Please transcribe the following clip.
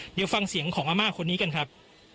เดี๋ยวฟังเสียงของอาม่าคนนี้กันครับ